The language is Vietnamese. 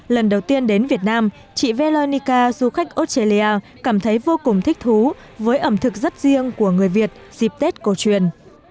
lần đầu tiên đến việt nam chị velonica du khách australia cảm thấy vô cùng thích thú với ẩm thực rất riêng của người việt dịp tết cổ truyền